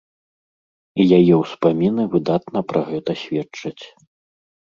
І яе ўспаміны выдатна пра гэта сведчаць.